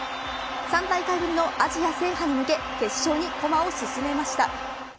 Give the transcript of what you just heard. ３大会ぶりのアジア制覇に向け決勝に駒を進めました。